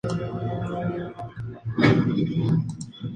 Fue construido en el sitio de una antigua fábrica de vidrio Vitro.